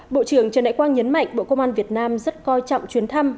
bộ trưởng trần đại quang nhấn mạnh bộ công an việt nam rất coi trọng chuyến thăm